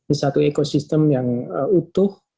ini satu ekosistem yang utuh